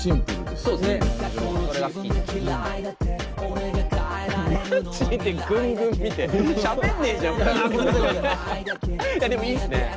でもいいっすね。